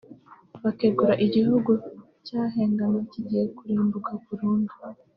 bakegura igihugu cyari cyahengamye kigiye kurimbuka burundu